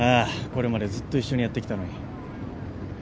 これまでずっと一緒にやってきたのに。